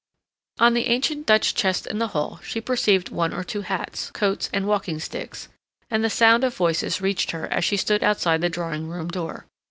On the ancient Dutch chest in the hall she perceived one or two hats, coats, and walking sticks, and the sound of voices reached her as she stood outside the drawing room door.